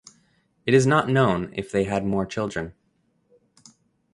It is not known if they had more children.